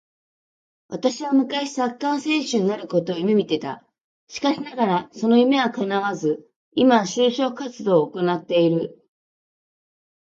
私は昔サッカー選手になることを夢見ていた。しかしながらその夢は叶わず、今は就職活動を行ってる。